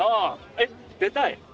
えっ出たい？